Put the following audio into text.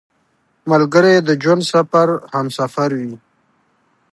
ملګری د ژوند سفر همسفر وي